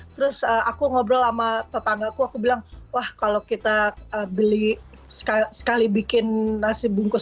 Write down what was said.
terus aku ngobrol sama tetanggaku aku bilang wah kalau kita beli sekali bikin nasi bungkus